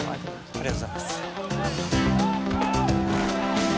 ありがとうございます。